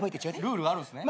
ルールがあるんですね。